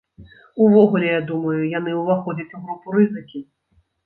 Увогуле, я думаю, яны ўваходзяць у групу рызыкі.